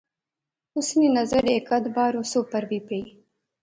اس نی نظر ہیک آدھ بار اس اوپر وی پئی